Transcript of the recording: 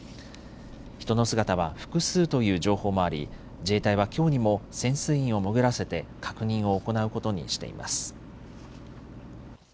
人の姿は複数という情報もあり自衛隊はきょうにも潜水員を潜らせて確認を行うことにしています。